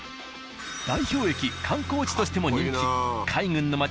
［代表駅観光地としても人気海軍の街